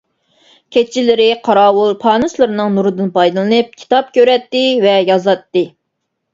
كېچىلىرى قاراۋۇل پانۇسلىرىنىڭ نۇرىدىن پايدىلىنىپ كىتاب كۆرەتتى ۋە يازاتتى.